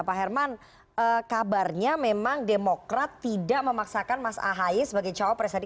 pak herman kabarnya memang demokrat tidak memaksakan mas ahai sebagai cowok presiden